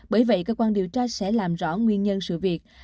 bởi vậy cơ quan điều tra sẽ làm rõ nguyên nhân sự việc